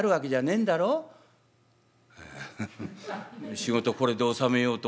仕事これで納めようと思った」。